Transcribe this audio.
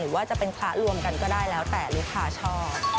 หรือว่าจะเป็นพระรวมกันก็ได้แล้วแต่ลูกค้าชอบ